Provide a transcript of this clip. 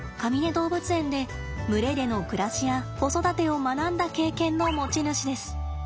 動物園で群れでの暮らしや子育てを学んだ経験の持ち主です。